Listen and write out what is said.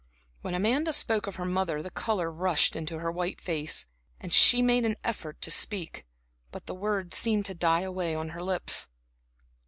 When Amanda spoke of her mother the color rushed into her white face, and she made an effort to speak; but the words seemed to die away on her lips.